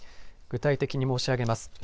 具体的に申し上げます。